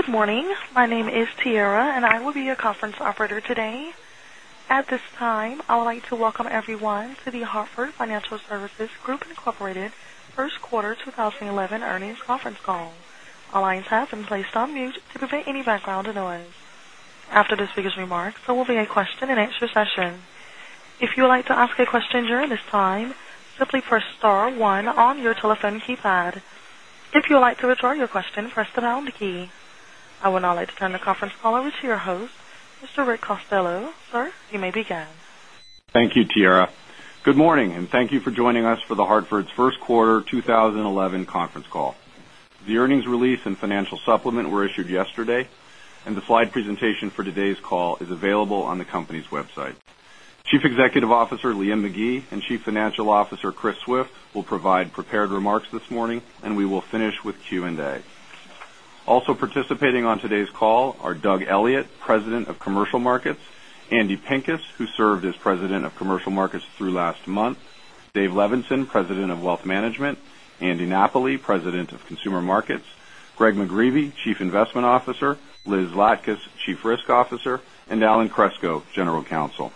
Good morning. My name is Tiara, and I will be your conference operator today. At this time, I would like to welcome everyone to The Hartford Financial Services Group, Inc. first quarter 2011 earnings conference call. All lines have been placed on mute to prevent any background noise. After the speakers' remarks, there will be a question-and-answer session. If you would like to ask a question during this time, simply press star one on your telephone keypad. If you would like to withdraw your question, press the pound key. I would now like to turn the conference call over to your host, Mr. Rick Costello. Sir, you may begin. Thank you, Tiara. Good morning, and thank you for joining us for The Hartford's first quarter 2011 conference call. The earnings release and financial supplement were issued yesterday, and the slide presentation for today's call is available on the company's website. Chief Executive Officer, Liam McGee, and Chief Financial Officer, Chris Swift, will provide prepared remarks this morning, and we will finish with Q&A. Also participating on today's call are Doug Elliot, President of Commercial Markets; Juan Andrade, who served as President of Commercial Markets through last month; David Levenson, President of Wealth Management; Andy Napoli, President of Consumer Markets; Greg McGreevey, Chief Investment Officer; Liz Zlatkis, Chief Risk Officer; and Alan Kreczko, General Counsel.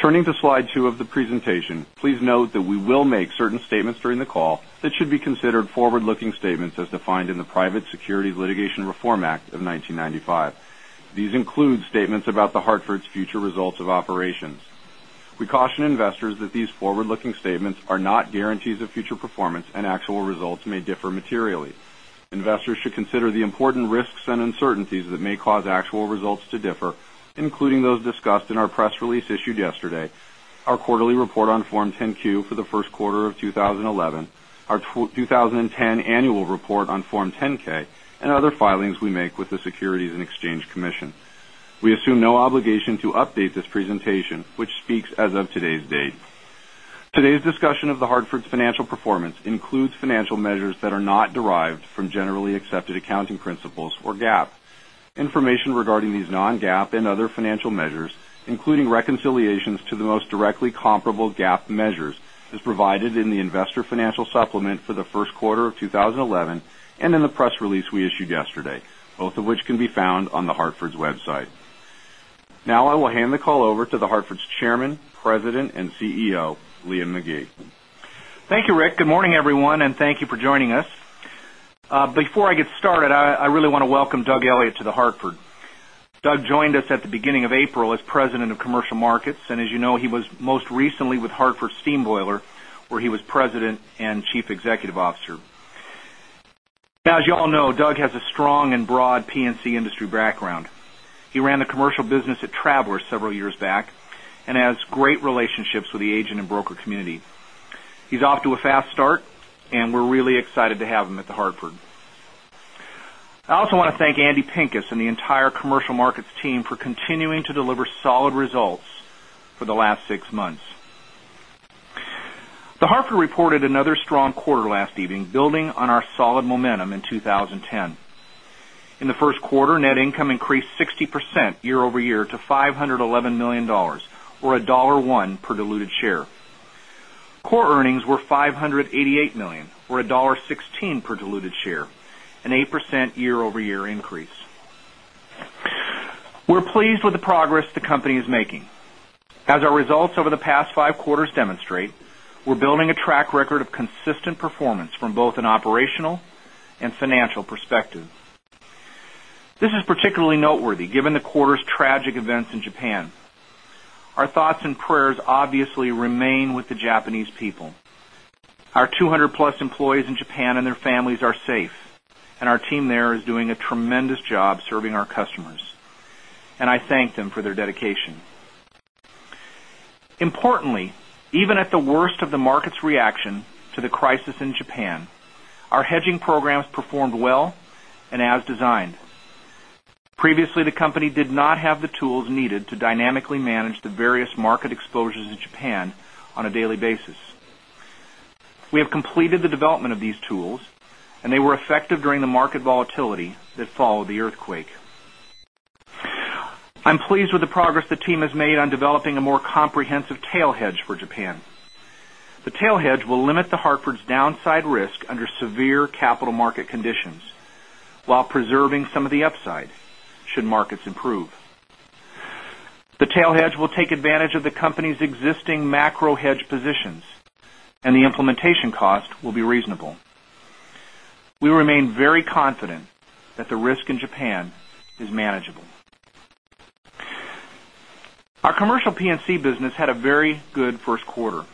Turning to slide two of the presentation, please note that we will make certain statements during the call that should be considered forward-looking statements as defined in the Private Securities Litigation Reform Act of 1995. These include statements about The Hartford's future results of operations. We caution investors that these forward-looking statements are not guarantees of future performance, and actual results may differ materially. Investors should consider the important risks and uncertainties that may cause actual results to differ, including those discussed in our press release issued yesterday, our quarterly report on Form 10-Q for the first quarter of 2011, our 2010 annual report on Form 10-K, and other filings we make with the Securities and Exchange Commission. We assume no obligation to update this presentation, which speaks as of today's date. Today's discussion of The Hartford's financial performance includes financial measures that are not derived from generally accepted accounting principles or GAAP. Information regarding these non-GAAP and other financial measures, including reconciliations to the most directly comparable GAAP measures, is provided in the investor financial supplement for the first quarter of 2011, and in the press release we issued yesterday, both of which can be found on The Hartford's website. I will hand the call over to The Hartford's Chairman, President, and CEO, Liam McGee. Thank you, Rick. Good morning, everyone, and thank you for joining us. Before I get started, I really want to welcome Doug Elliot to The Hartford. Doug joined us at the beginning of April as President of Commercial Markets, and as you know, he was most recently with Hartford Steam Boiler, where he was President and Chief Executive Officer. As you all know, Doug has a strong and broad P&C industry background. He ran the commercial business at Travelers several years back and has great relationships with the agent and broker community. He's off to a fast start, and we're really excited to have him at The Hartford. I also want to thank Juan Andrade and the entire Commercial Markets team for continuing to deliver solid results for the last six months. The Hartford reported another strong quarter last evening, building on our solid momentum in 2010. In the first quarter, net income increased 60% year-over-year to $511 million, or $1.01 per diluted share. Core earnings were $588 million, or $1.16 per diluted share, an 8% year-over-year increase. We're pleased with the progress the company is making. As our results over the past five quarters demonstrate, we're building a track record of consistent performance from both an operational and financial perspective. This is particularly noteworthy given the quarter's tragic events in Japan. Our thoughts and prayers obviously remain with the Japanese people. Our 200-plus employees in Japan and their families are safe, and our team there is doing a tremendous job serving our customers, and I thank them for their dedication. Importantly, even at the worst of the market's reaction to the crisis in Japan, our hedging programs performed well and as designed. Previously, the company did not have the tools needed to dynamically manage the various market exposures in Japan on a daily basis. We have completed the development of these tools, and they were effective during the market volatility that followed the earthquake. I'm pleased with the progress the team has made on developing a more comprehensive tail hedge for Japan. The tail hedge will limit The Hartford's downside risk under severe capital market conditions while preserving some of the upside should markets improve. The tail hedge will take advantage of the company's existing macro hedge positions, and the implementation cost will be reasonable. We remain very confident that the risk in Japan is manageable. Our commercial P&C business had a very good first quarter.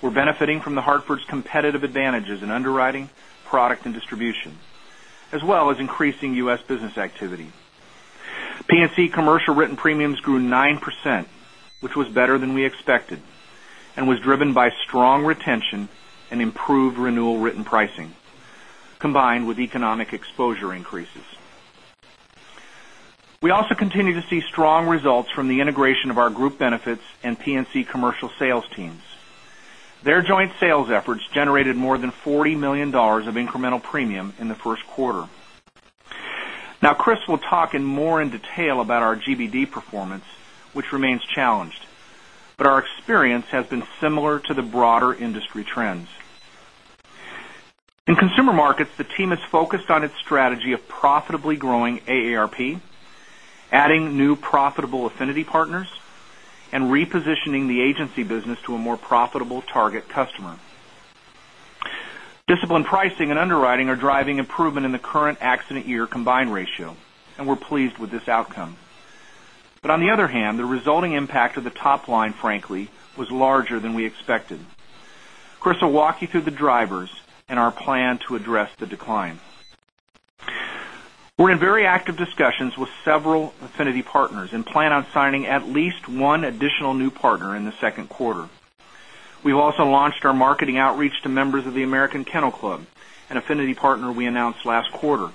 We're benefiting from The Hartford's competitive advantages in underwriting, product, and distribution, as well as increasing U.S. business activity. P&C commercial written premiums grew 9%, which was better than we expected, and was driven by strong retention and improved renewal written pricing, combined with economic exposure increases. We also continue to see strong results from the integration of our group benefits and P&C commercial sales teams. Their joint sales efforts generated more than $40 million of incremental premium in the first quarter. Chris will talk in more in detail about our GBD performance, which remains challenged. Our experience has been similar to the broader industry trends. In consumer markets, the team is focused on its strategy of profitably growing AARP, adding new profitable affinity partners, and repositioning the agency business to a more profitable target customer. Disciplined pricing and underwriting are driving improvement in the current accident year combined ratio, and we're pleased with this outcome. On the other hand, the resulting impact of the top line, frankly, was larger than we expected. Chris will walk you through the drivers and our plan to address the decline. We are in very active discussions with several affinity partners and plan on signing at least one additional new partner in the second quarter. We have also launched our marketing outreach to members of the American Kennel Club, an affinity partner we announced last quarter.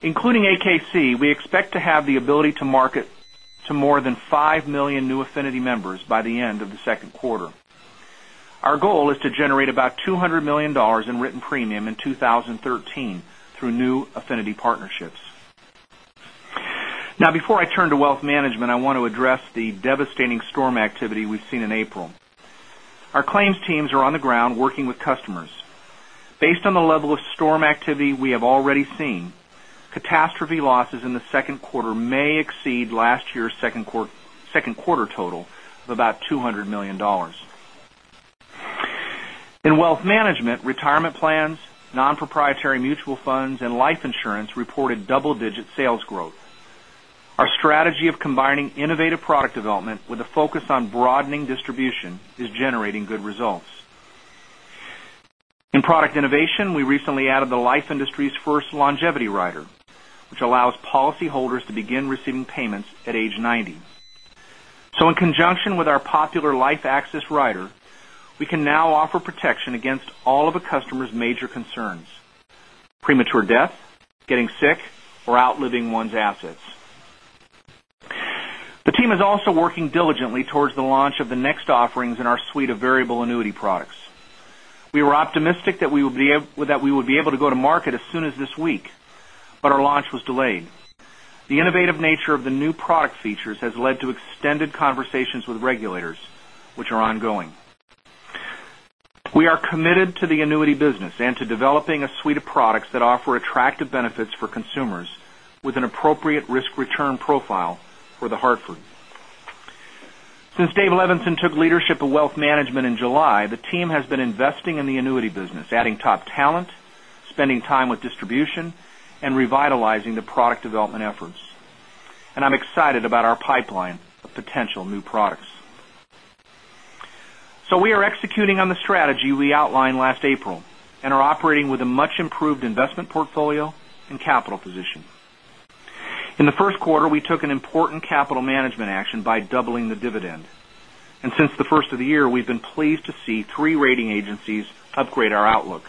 Including AKC, we expect to have the ability to market to more than 5 million new affinity members by the end of the second quarter. Our goal is to generate about $200 million in written premium in 2013 through new affinity partnerships. Before I turn to wealth management, I want to address the devastating storm activity we have seen in April. Our claims teams are on the ground working with customers. Based on the level of storm activity we have already seen, catastrophe losses in the second quarter may exceed last year's second quarter total of about $200 million. In wealth management, retirement plans, non-proprietary mutual funds, and life insurance reported double-digit sales growth. Our strategy of combining innovative product development with a focus on broadening distribution is generating good results. In product innovation, we recently added the life industry's first LongevityAccess rider, which allows policyholders to begin receiving payments at age 90. In conjunction with our popular LifeAccess rider, we can now offer protection against all of a customer's major concerns: premature death, getting sick, or outliving one's assets. The team is also working diligently towards the launch of the next offerings in our suite of variable annuity products. We were optimistic that we would be able to go to market as soon as this week, our launch was delayed. The innovative nature of the new product features has led to extended conversations with regulators, which are ongoing. We are committed to the annuity business and to developing a suite of products that offer attractive benefits for consumers with an appropriate risk-return profile for The Hartford. Since Dave Levenson took leadership of wealth management in July, the team has been investing in the annuity business, adding top talent, spending time with distribution, and revitalizing the product development efforts. I am excited about our pipeline of potential new products. We are executing on the strategy we outlined last April and are operating with a much-improved investment portfolio and capital position. In the first quarter, we took an important capital management action by doubling the dividend. Since the first of the year, we have been pleased to see 3 rating agencies upgrade our outlook.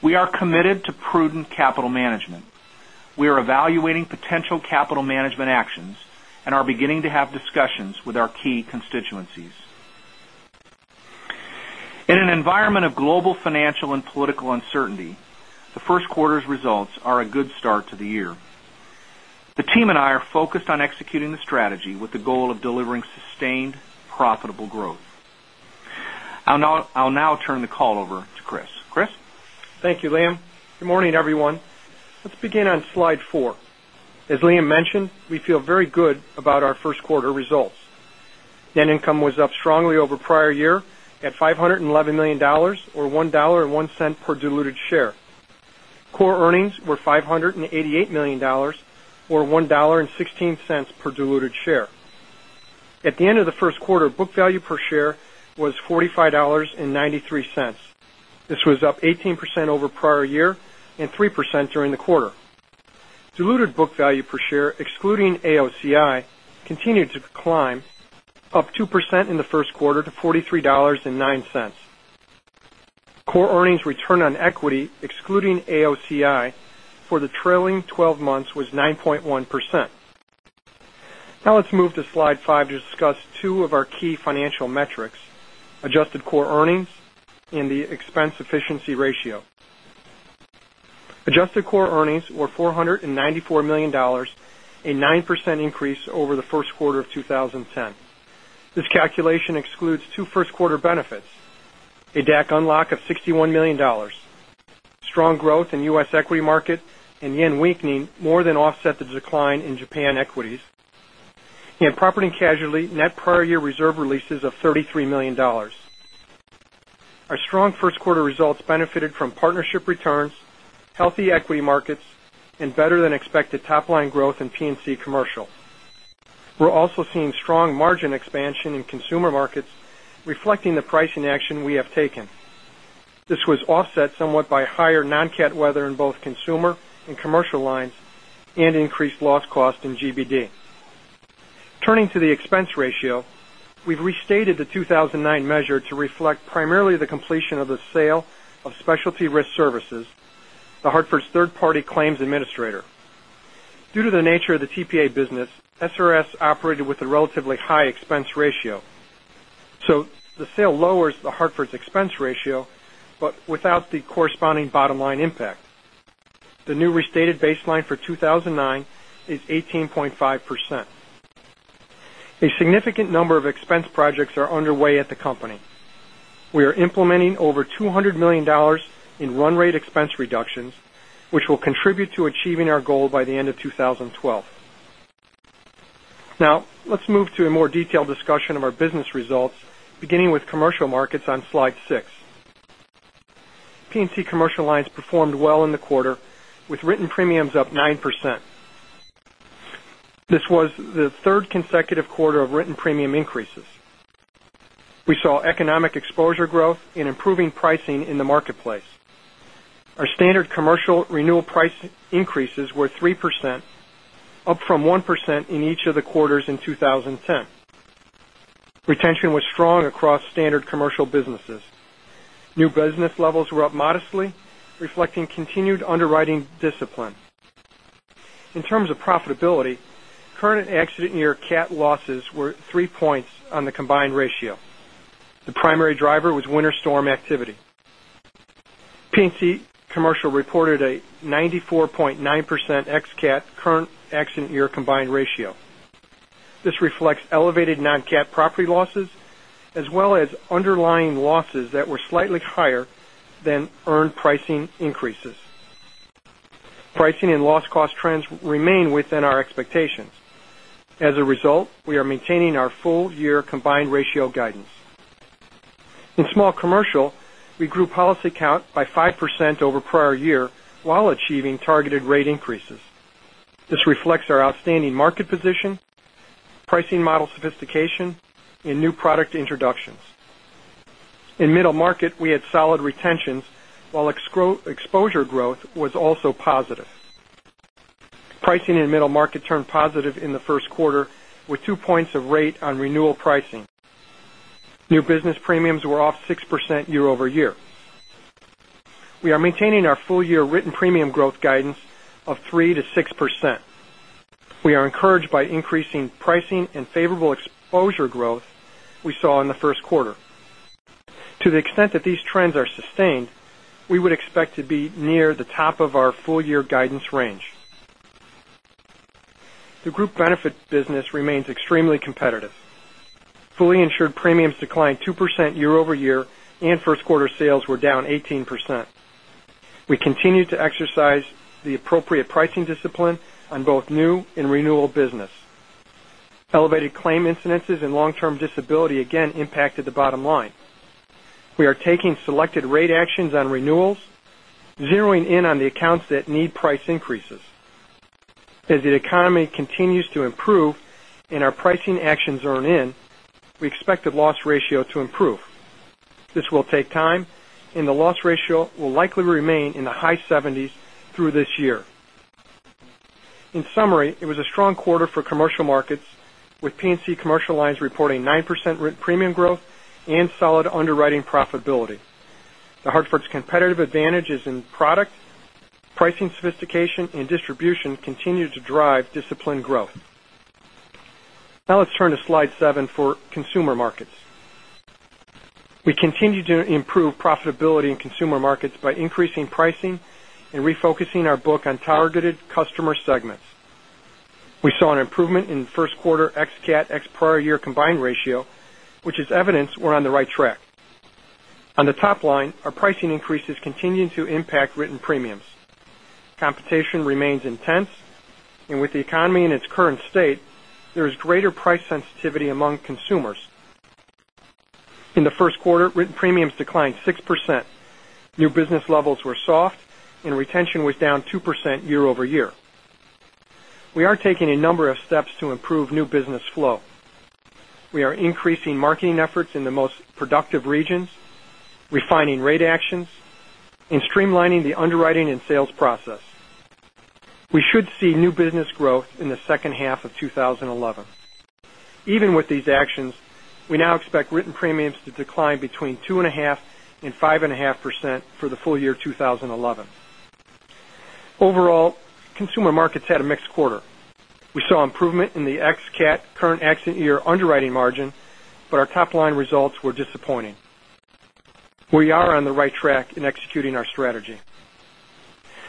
We are committed to prudent capital management. We are evaluating potential capital management actions and are beginning to have discussions with our key constituencies. In an environment of global financial and political uncertainty, the first quarter's results are a good start to the year. The team and I are focused on executing the strategy with the goal of delivering sustained, profitable growth. I will now turn the call over to Chris. Chris? Thank you, Liam. Good morning, everyone. Let's begin on slide four. As Liam mentioned, we feel very good about our first quarter results. Net income was up strongly over prior year at $511 million, or $1.01 per diluted share. Core earnings were $588 million, or $1.16 per diluted share. At the end of the first quarter, book value per share was $45.93. This was up 18% over prior year and 3% during the quarter. Diluted book value per share, excluding AOCI, continued to climb, up 2% in the first quarter to $43.09. Core earnings return on equity, excluding AOCI for the trailing 12 months, was 9.1%. Let's move to slide five to discuss two of our key financial metrics: adjusted core earnings and the expense efficiency ratio. Adjusted core earnings were $494 million, a 9% increase over the first quarter of 2010. This calculation excludes two first-quarter benefits. A DAC unlock of $61 million. JPY weakening more than offset the decline in Japan equities, and P&C net prior year reserve releases of $33 million. Our strong first quarter results benefited from partnership returns, healthy equity markets, and better than expected top-line growth in P&C commercial. We're also seeing strong margin expansion in consumer markets, reflecting the pricing action we have taken. This was offset somewhat by higher non-CAT weather in both consumer and commercial lines and increased loss cost in GBD. Turning to the expense ratio, we've restated the 2009 measure to reflect primarily the completion of the sale of Specialty Risk Services, The Hartford's third-party claims administrator. Due to the nature of the TPA business, SRS operated with a relatively high expense ratio, the sale lowers The Hartford's expense ratio, but without the corresponding bottom-line impact. The new restated baseline for 2009 is 18.5%. A significant number of expense projects are underway at the company. We are implementing over $200 million in run rate expense reductions, which will contribute to achieving our goal by the end of 2012. Let's move to a more detailed discussion of our business results, beginning with commercial markets on slide six. P&C Commercial lines performed well in the quarter, with written premiums up 9%. This was the third consecutive quarter of written premium increases. We saw economic exposure growth and improving pricing in the marketplace. Our standard commercial renewal price increases were 3%, up from 1% in each of the quarters in 2010. Retention was strong across standard commercial businesses. New business levels were up modestly, reflecting continued underwriting discipline. In terms of profitability, current accident year CAT losses were three points on the combined ratio. The primary driver was winter storm activity. P&C Commercial reported a 94.9% ex-CAT current accident year combined ratio. This reflects elevated non-CAT property losses, as well as underlying losses that were slightly higher than earned pricing increases. Pricing and loss cost trends remain within our expectations. As a result, we are maintaining our full year combined ratio guidance. In small commercial, we grew policy count by 5% over prior year while achieving targeted rate increases. This reflects our outstanding market position, pricing model sophistication, and new product introductions. In middle market, we had solid retentions while exposure growth was also positive. Pricing in middle market turned positive in the first quarter with two points of rate on renewal pricing. New business premiums were off 6% year-over-year. We are maintaining our full year written premium growth guidance of 3%-6%. We are encouraged by increasing pricing and favorable exposure growth we saw in the first quarter. To the extent that these trends are sustained, we would expect to be near the top of our full year guidance range. The group benefit business remains extremely competitive. Fully insured premiums declined 2% year-over-year, and first quarter sales were down 18%. We continue to exercise the appropriate pricing discipline on both new and renewal business. Elevated claim incidences and long-term disability again impacted the bottom line. We are taking selected rate actions on renewals, zeroing in on the accounts that need price increases. As the economy continues to improve and our pricing actions earn in, we expect the loss ratio to improve. This will take time, and the loss ratio will likely remain in the high 70s through this year. In summary, it was a strong quarter for Commercial Markets, with P&C Commercial lines reporting 9% written premium growth and solid underwriting profitability. The Hartford's competitive advantages in product, pricing sophistication, and distribution continue to drive disciplined growth. Now let's turn to slide seven for Consumer Markets. We continue to improve profitability in Consumer Markets by increasing pricing and refocusing our book on targeted customer segments. We saw an improvement in first quarter ex-CAT, ex-prior year combined ratio, which is evidence we're on the right track. On the top line, our pricing increases continue to impact written premiums. Competition remains intense, and with the economy in its current state, there is greater price sensitivity among consumers. In the first quarter, written premiums declined 6%. New business levels were soft, and retention was down 2% year-over-year. We are taking a number of steps to improve new business flow. We are increasing marketing efforts in the most productive regions, refining rate actions, and streamlining the underwriting and sales process. We should see new business growth in the second half of 2011. Even with these actions, we now expect written premiums to decline between 2.5%-5.5% for the full year 2011. Overall, Consumer Markets had a mixed quarter. We saw improvement in the ex-CAT current accident year underwriting margin, but our top-line results were disappointing. We are on the right track in executing our strategy.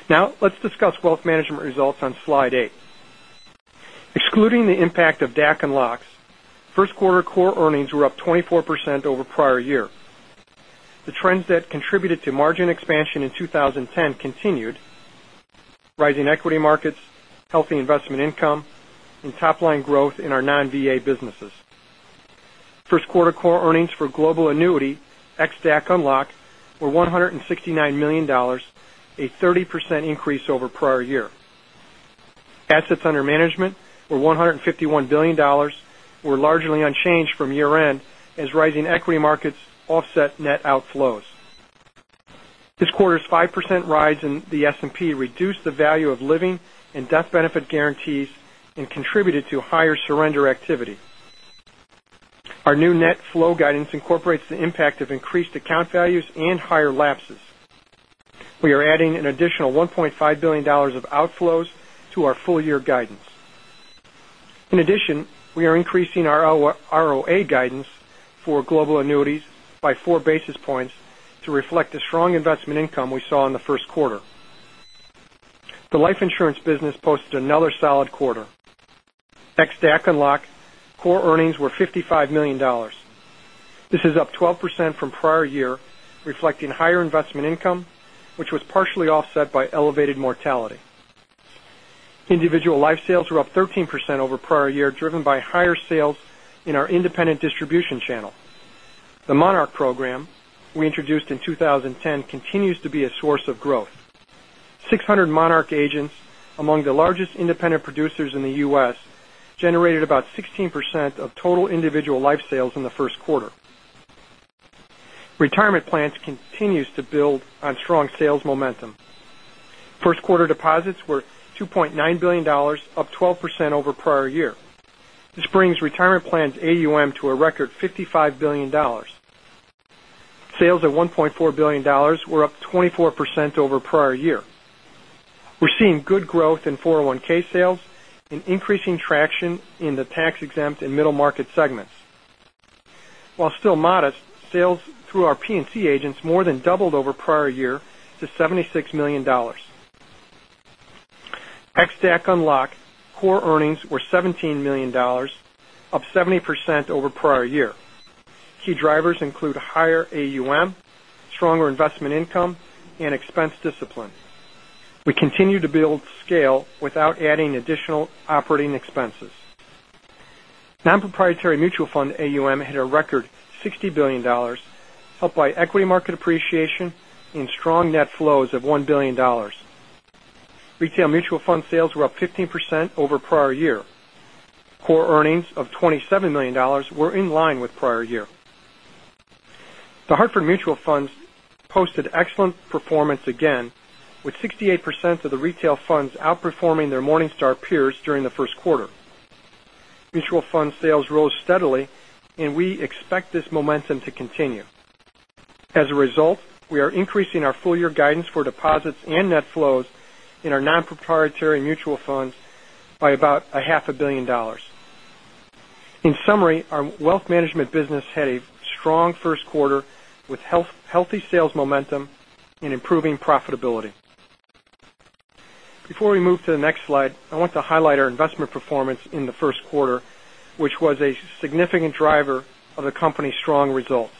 Now let's discuss Wealth Management results on slide eight. Excluding the impact of DAC and LOCs, first quarter core earnings were up 24% over prior year. The trends that contributed to margin expansion in 2010 continued, rising equity markets, healthy investment income, and top-line growth in our non-VA businesses. First quarter core earnings for Global Annuity, ex-DAC and LOC, were $169 million, a 30% increase over prior year. Assets under management were $151 billion, were largely unchanged from year-end as rising equity markets offset net outflows. This quarter's 5% rise in the S&P reduced the value of living and death benefit guarantees and contributed to higher surrender activity. Our new net flow guidance incorporates the impact of increased account values and higher lapses. We are adding an additional $1.5 billion of outflows to our full year guidance. In addition, we are increasing our ROA guidance for Global Annuity by four basis points to reflect the strong investment income we saw in the first quarter. The life insurance business posted another solid quarter. Ex-DAC unlock, core earnings were $55 million. This is up 12% from prior year, reflecting higher investment income, which was partially offset by elevated mortality. Individual life sales were up 13% over prior year, driven by higher sales in our independent distribution channel. The Monarch program we introduced in 2010 continues to be a source of growth. 600 Monarch agents, among the largest independent producers in the U.S., generated about 16% of total individual life sales in the first quarter. Retirement plans continues to build on strong sales momentum. First quarter deposits were $2.9 billion, up 12% over prior year. This brings retirement plans AUM to a record $55 billion. Sales at $1.4 billion were up 24% over prior year. We're seeing good growth in 401(k) sales and increasing traction in the tax-exempt and middle market segments. While still modest, sales through our P&C agents more than doubled over prior year to $76 million. Ex-DAC unlock, core earnings were $17 million, up 70% over prior year. Key drivers include higher AUM, stronger investment income, and expense discipline. We continue to build scale without adding additional operating expenses. Non-proprietary mutual fund AUM hit a record $60 billion, helped by equity market appreciation and strong net flows of $1 billion. Retail mutual fund sales were up 15% over prior year. Core earnings of $27 million were in line with prior year. The Hartford Mutual Funds posted excellent performance again, with 68% of the retail funds outperforming their Morningstar peers during the first quarter. Mutual fund sales rose steadily. We expect this momentum to continue. As a result, we are increasing our full year guidance for deposits and net flows in our non-proprietary mutual funds by about a half a billion dollars. In summary, our wealth management business had a strong first quarter with healthy sales momentum and improving profitability. Before we move to the next slide, I want to highlight our investment performance in the first quarter, which was a significant driver of the company's strong results.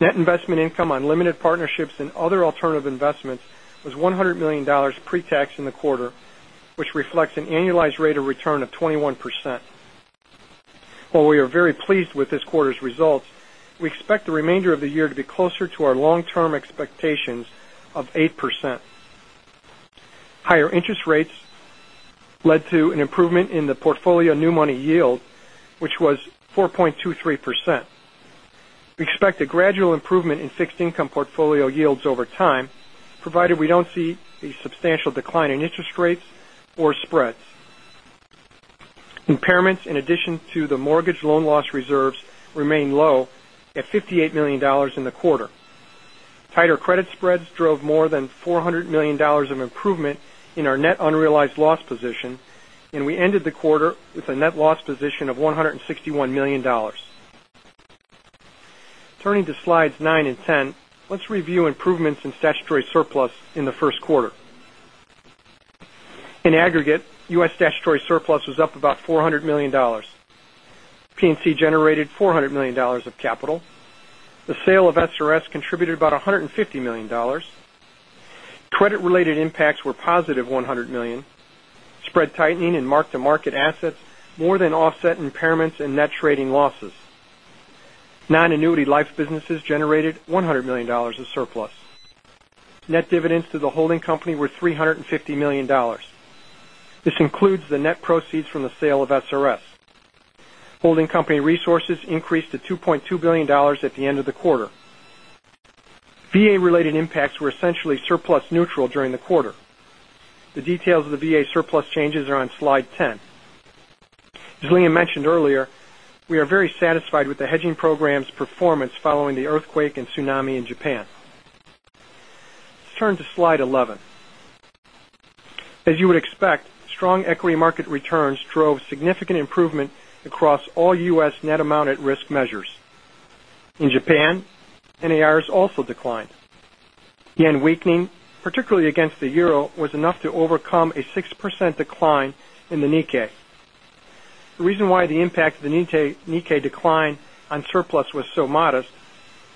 Net investment income on limited partnerships and other alternative investments was $100 million pre-tax in the quarter, which reflects an annualized rate of return of 21%. While we are very pleased with this quarter's results, we expect the remainder of the year to be closer to our long-term expectations of 8%. Higher interest rates led to an improvement in the portfolio new money yield, which was 4.23%. We expect a gradual improvement in fixed income portfolio yields over time, provided we don't see a substantial decline in interest rates or spreads. Impairments, in addition to the mortgage loan loss reserves, remain low at $58 million in the quarter. Tighter credit spreads drove more than $400 million of improvement in our net unrealized loss position. We ended the quarter with a net loss position of $161 million. Turning to slides nine and 10, let's review improvements in statutory surplus in the first quarter. In aggregate, U.S. statutory surplus was up about $400 million. P&C generated $400 million of capital. The sale of SRS contributed about $150 million. Credit-related impacts were positive $100 million. Spread tightening in mark-to-market assets more than offset impairments and net trading losses. Non-annuity life businesses generated $100 million of surplus. Net dividends to the holding company were $350 million. This includes the net proceeds from the sale of SRS. Holding company resources increased to $2.2 billion at the end of the quarter. VA-related impacts were essentially surplus neutral during the quarter. The details of the VA surplus changes are on slide 10. As Liam mentioned earlier, we are very satisfied with the hedging program's performance following the earthquake and tsunami in Japan. Let's turn to slide 11. As you would expect, strong equity market returns drove significant improvement across all U.S. Net Amount at Risk measures. In Japan, NARs also declined. Yen weakening, particularly against the Euro, was enough to overcome a 6% decline in the Nikkei. The reason why the impact of the Nikkei decline on surplus was so modest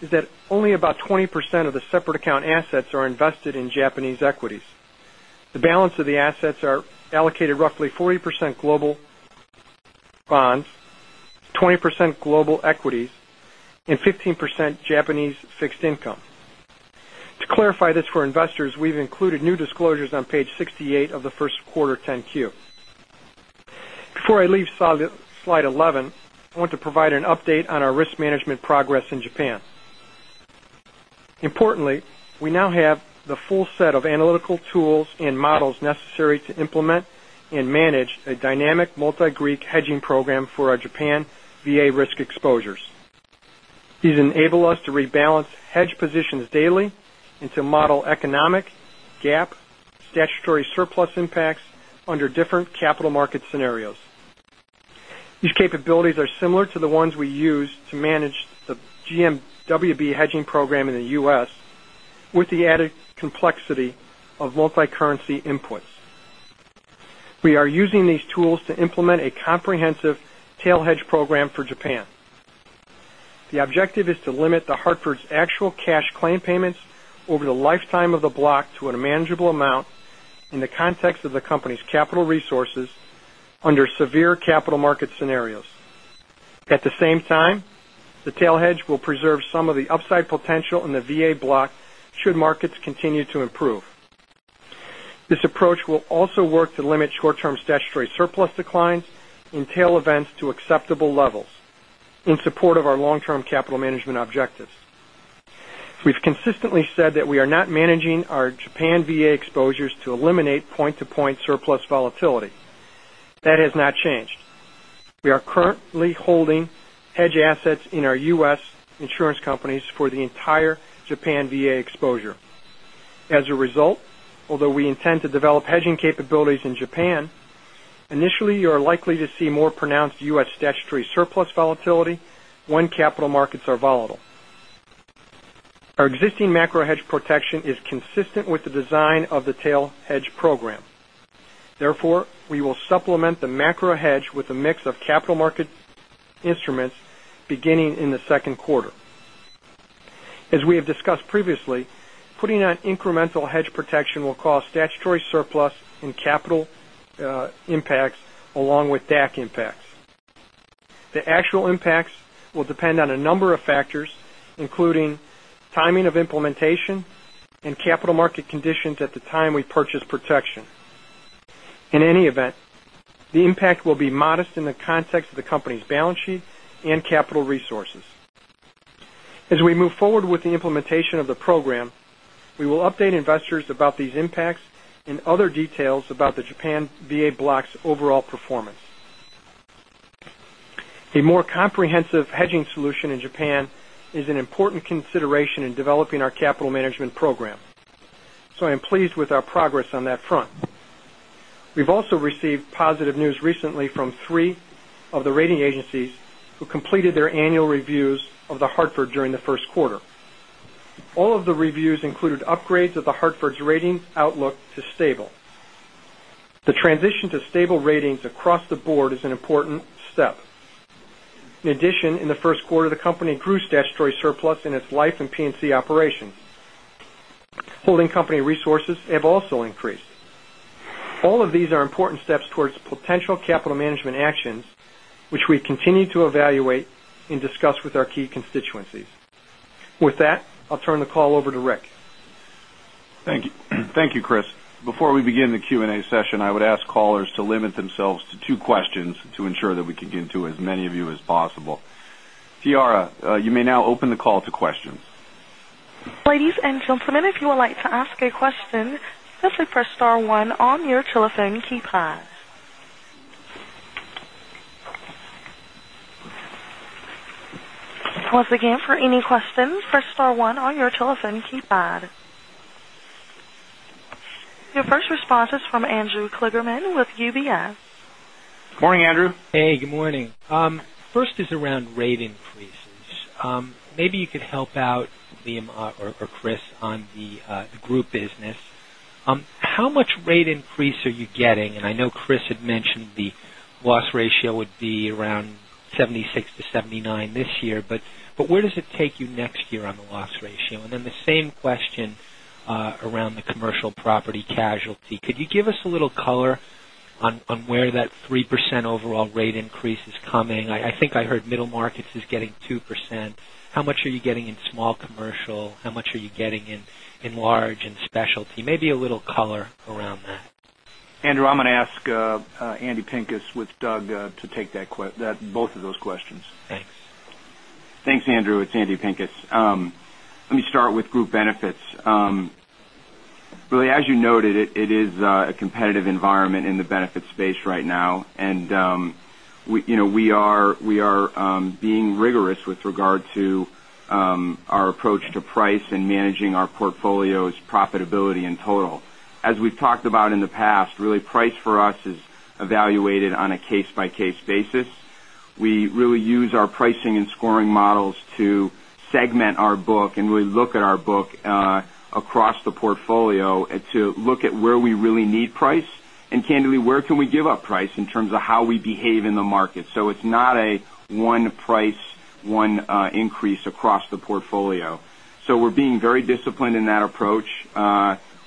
is that only about 20% of the separate account assets are invested in Japanese equities. The balance of the assets are allocated roughly 40% global bonds, 20% global equities, and 15% Japanese fixed income. To clarify this for investors, we've included new disclosures on page 68 of the first quarter 10-Q. Before I leave slide 11, I want to provide an update on our risk management progress in Japan. Importantly, we now have the full set of analytical tools and models necessary to implement and manage a dynamic multi-Greek hedging program for our Japan VA risk exposures. These enable us to rebalance hedge positions daily and to model economic, GAAP, statutory surplus impacts under different capital market scenarios. These capabilities are similar to the ones we use to manage the GMWB hedging program in the U.S., with the added complexity of multi-currency inputs. We are using these tools to implement a comprehensive tail hedge program for Japan. The objective is to limit The Hartford's actual cash claim payments over the lifetime of the block to a manageable amount in the context of the company's capital resources under severe capital market scenarios. At the same time, the tail hedge will preserve some of the upside potential in the VA block should markets continue to improve. This approach will also work to limit short-term statutory surplus declines in tail events to acceptable levels in support of our long-term capital management objectives. We've consistently said that we are not managing our Japan VA exposures to eliminate point-to-point surplus volatility. That has not changed. We are currently holding hedge assets in our U.S. insurance companies for the entire Japan VA exposure. As a result, although we intend to develop hedging capabilities in Japan, initially you are likely to see more pronounced U.S. statutory surplus volatility when capital markets are volatile. Our existing macro hedge protection is consistent with the design of the tail hedge program. Therefore, we will supplement the macro hedge with a mix of capital market instruments beginning in the second quarter. As we have discussed previously, putting on incremental hedge protection will cause statutory surplus and capital impacts along with DAC impacts. The actual impacts will depend on a number of factors, including timing of implementation and capital market conditions at the time we purchase protection. In any event, the impact will be modest in the context of the company's balance sheet and capital resources. As we move forward with the implementation of the program, we will update investors about these impacts and other details about the Japan VA block's overall performance. A more comprehensive hedging solution in Japan is an important consideration in developing our capital management program, so I am pleased with our progress on that front. We've also received positive news recently from three of the rating agencies who completed their annual reviews of The Hartford during the first quarter. All of the reviews included upgrades of The Hartford's ratings outlook to stable. The transition to stable ratings across the board is an important step. In addition, in the first quarter, the company grew statutory surplus in its Life and P&C operations. Holding company resources have also increased. All of these are important steps towards potential capital management actions, which we continue to evaluate and discuss with our key constituencies. With that, I'll turn the call over to Rick. Thank you, Chris. Before we begin the Q&A session, I would ask callers to limit themselves to two questions to ensure that we can get to as many of you as possible. Tiara, you may now open the call to questions. Ladies and gentlemen, if you would like to ask a question, simply press star one on your telephone keypad. Once again, for any questions, press star one on your telephone keypad. Your first response is from Andrew Kligerman with UBS. Morning, Andrew. Good morning. First is around rate increases. Maybe you could help out Liam or Chris on the group business. How much rate increase are you getting? I know Chris had mentioned the loss ratio would be around 76%-79% this year, but where does it take you next year on the loss ratio? The same question around the commercial Property and Casualty. Could you give us a little color on where that 3% overall rate increase is coming? I think I heard middle markets is getting 2%. How much are you getting in small commercial? How much are you getting in large and specialty? Maybe a little color around that. Andrew, I'm going to ask Juan Andrade with Doug to take both of those questions. Thanks. Thanks, Andrew. It's Juan Andrade. Let me start with group benefits. Really, as you noted, it is a competitive environment in the benefits space right now, and we are being rigorous with regard to our approach to price and managing our portfolio's profitability in total. As we've talked about in the past, really, price for us is evaluated on a case-by-case basis. We really use our pricing and scoring models to segment our book, and we look at our book across the portfolio to look at where we really need price and candidly, where can we give up price in terms of how we behave in the market. It's not a one price, one increase across the portfolio. We're being very disciplined in that approach.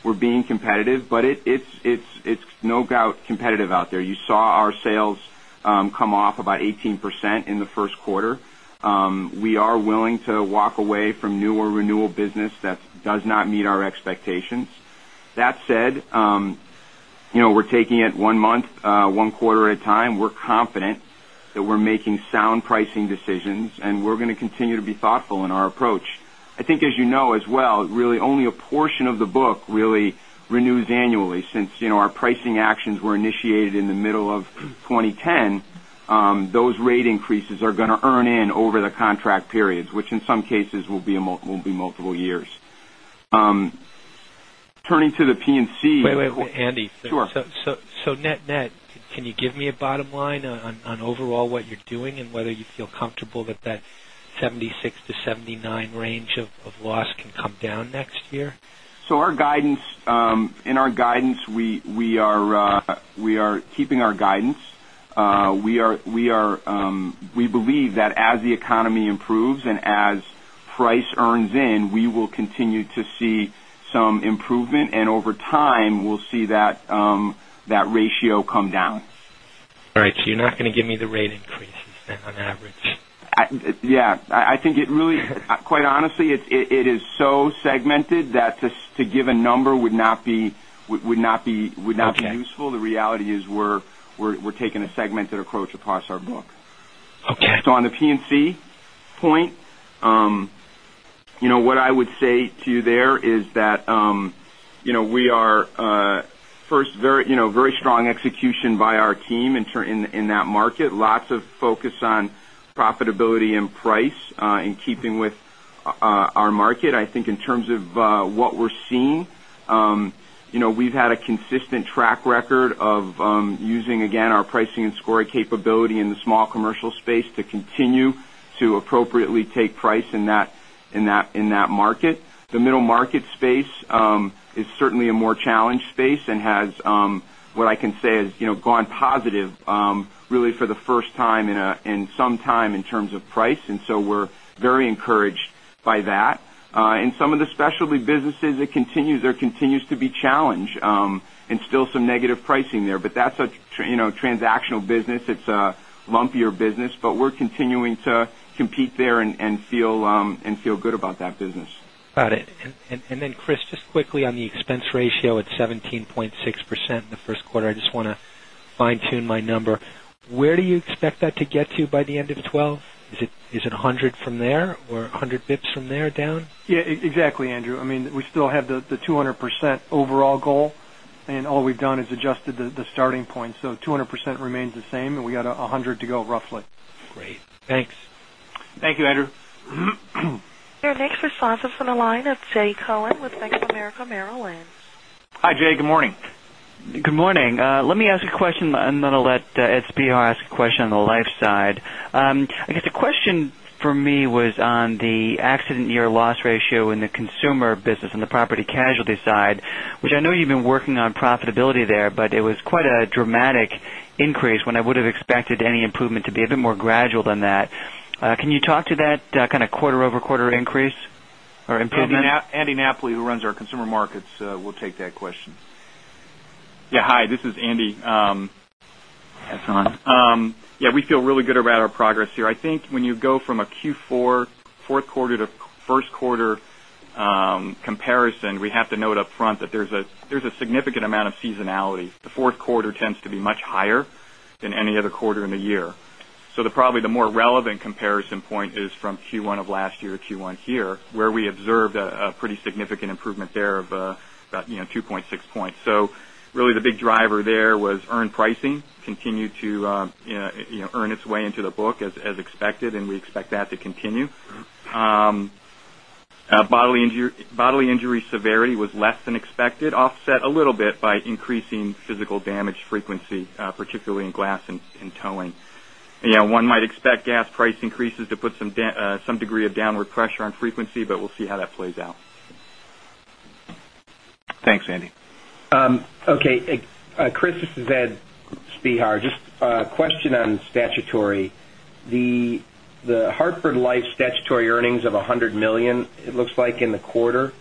We're being competitive, but it's no doubt competitive out there. You saw our sales come off about 18% in the first quarter. We are willing to walk away from new or renewal business that does not meet our expectations. That said, we're taking it one month, one quarter at a time. We're confident that we're making sound pricing decisions, and we're going to continue to be thoughtful in our approach. I think as you know as well, really only a portion of the book really renews annually. Since our pricing actions were initiated in the middle of 2010, those rate increases are going to earn in over the contract periods, which in some cases will be multiple years. Turning to the P&C- Wait, Andy. Sure. Net, can you give me a bottom line on overall what you're doing and whether you feel comfortable that that 76%-79% range of loss can come down next year? In our guidance, we are keeping our guidance. We believe that as the economy improves and as price earns in, we will continue to see some improvement, and over time, we will see that ratio come down. All right. You're not going to give me the rate increases then on average? I think quite honestly, it is so segmented that to give a number would not be useful. Okay. The reality is we're taking a segmented approach across our book. Okay. On the P&C point, what I would say to you there is that first, very strong execution by our team in that market. Lots of focus on profitability and price in keeping with our market. I think in terms of what we're seeing, we've had a consistent track record of using, again, our pricing and scoring capability in the small commercial space to continue to appropriately take price in that market. The middle market space is certainly a more challenged space and has what I can say has gone positive really for the first time in some time in terms of price. We're very encouraged by that. In some of the specialty businesses, there continues to be challenge and still some negative pricing there. That's a transactional business. It's a lumpier business. We're continuing to compete there and feel good about that business. Got it. Chris, just quickly on the expense ratio at 17.6% in the first quarter, I just want to fine tune my number. Where do you expect that to get to by the end of 2012? Is it 100 from there, or 100 basis points from there down? Yeah, exactly, Andrew. We still have the 200% overall goal. All we've done is adjusted the starting point. 200% remains the same, and we got 100 to go, roughly. Great. Thanks. Thank you, Andrew. Your next response is on the line of Jay Cohen with Bank of America Merrill Lynch. Hi, Jay. Good morning. Good morning. Let me ask a question. I'm going to let Edward Spehar ask a question on the life side. I guess the question for me was on the accident year loss ratio in the consumer business, on the property casualty side, which I know you've been working on profitability there, but it was quite a dramatic increase when I would have expected any improvement to be a bit more gradual than that. Can you talk to that kind of quarter-over-quarter increase or improvement? Andy Napoli, who runs our Consumer Markets, will take that question. Yeah. Hi, this is Andy. That's fine. Yeah, we feel really good about our progress here. I think when you go from a Q4, fourth quarter to first quarter comparison, we have to note up front that there's a significant amount of seasonality. The fourth quarter tends to be much higher than any other quarter in the year. Probably the more relevant comparison point is from Q1 of last year to Q1 here, where we observed a pretty significant improvement there of about 2.6 points. Really the big driver there was earned pricing continued to earn its way into the book as expected, and we expect that to continue. Bodily injury severity was less than expected, offset a little bit by increasing physical damage frequency, particularly in glass and towing. One might expect gas price increases to put some degree of downward pressure on frequency, we'll see how that plays out. Thanks, Andy. Okay. Chris, this is Edward Spehar. Just a question on statutory. The Hartford Life statutory earnings of $100 million, it looks like in the quarter.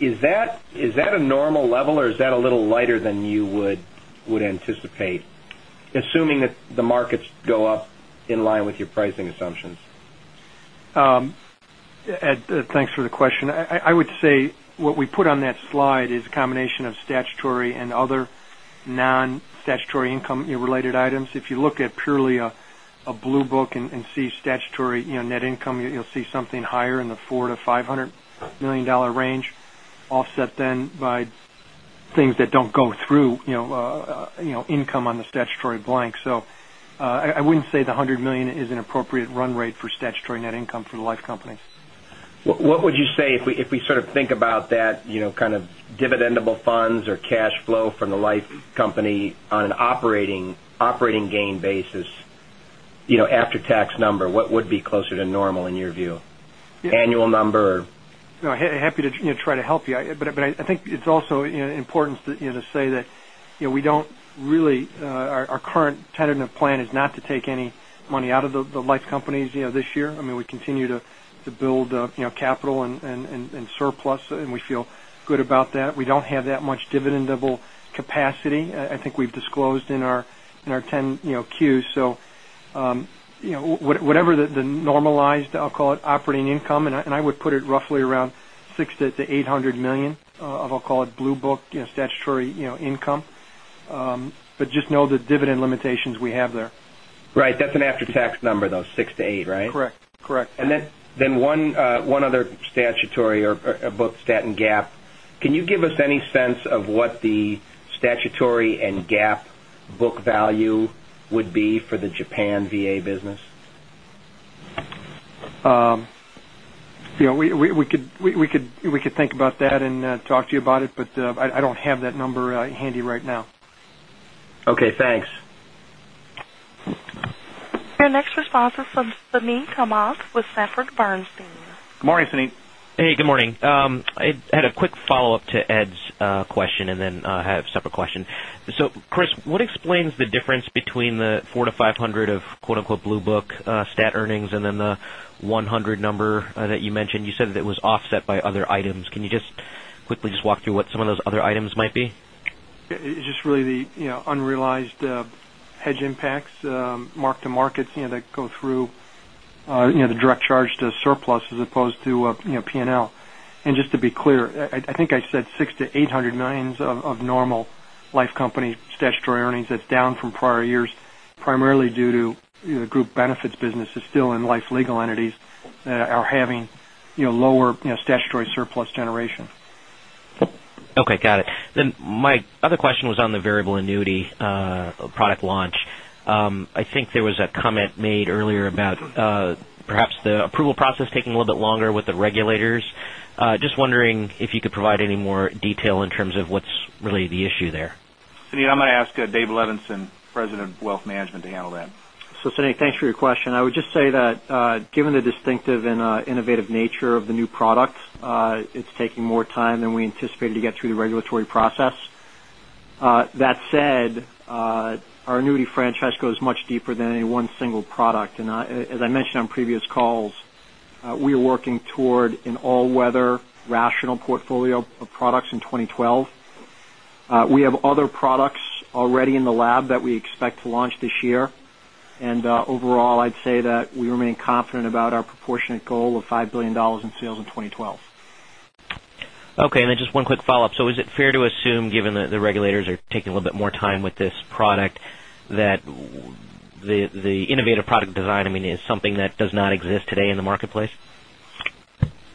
Is that a normal level, or is that a little lighter than you would anticipate, assuming that the markets go up in line with your pricing assumptions? Ed, thanks for the question. I would say what we put on that slide is a combination of statutory and other non-statutory income related items. If you look at purely a Blue Book and see statutory net income, you'll see something higher in the $400 million to $500 million range, offset then by things that don't go through income on the statutory blank. I wouldn't say the $100 million is an appropriate run rate for statutory net income for the life company. What would you say if we sort of think about that kind of dividendable funds or cash flow from the life company on an operating gain basis after-tax number? What would be closer to normal in your view? Annual number? Happy to try to help you. I think it's also important to say that our current tentative plan is not to take any money out of the life companies this year. We continue to build capital and surplus, and we feel good about that. We don't have that much dividendable capacity. I think we've disclosed in our 10-Q. Whatever the normalized, I'll call it operating income, and I would put it roughly around $600 million to $800 million of, I'll call it Blue Book statutory income. Just know the dividend limitations we have there. Right. That's an after-tax number, though, six to eight, right? Correct. One other statutory or both stat and GAAP, can you give us any sense of what the statutory and GAAP book value would be for the Japan VA business? We could think about that and talk to you about it, but I don't have that number handy right now. Okay, thanks. Your next response is from Suneet Kamath with Sanford C. Bernstein. Good morning, Suneet. Hey, good morning. I had a quick follow-up to Ed's question, I have a separate question. Chris, what explains the difference between the $400-$500 of "blue book" stat earnings and the $100 number that you mentioned? You said that it was offset by other items. Can you just quickly walk through what some of those other items might be? It's just really the unrealized hedge impacts, mark-to-markets that go through the direct charge to surplus as opposed to P&L. Just to be clear, I think I said $600 million-$800 million of normal life company statutory earnings. That's down from prior years, primarily due to group benefits business is still in life legal entities that are having lower statutory surplus generation. Okay, got it. My other question was on the variable annuity product launch. I think there was a comment made earlier about perhaps the approval process taking a little bit longer with the regulators. Just wondering if you could provide any more detail in terms of what's really the issue there. Suneet, I'm going to ask David Levenson, President of Wealth Management, to handle that. Suneet, thanks for your question. I would just say that given the distinctive and innovative nature of the new product, it's taking more time than we anticipated to get through the regulatory process. That said, our annuity franchise goes much deeper than any one single product. As I mentioned on previous calls, we are working toward an all-weather rational portfolio of products in 2012. We have other products already in the lab that we expect to launch this year. Overall, I'd say that we remain confident about our proportionate goal of $5 billion in sales in 2012. Okay, just one quick follow-up. Is it fair to assume, given that the regulators are taking a little bit more time with this product, that the innovative product design is something that does not exist today in the marketplace?